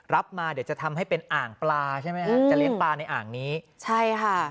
รับมาเดี๋ยวจะทำให้เป็นอ่างปลาใช่ไหมฮะจะเลี้ยงปลาในอ่างนี้ใช่ค่ะ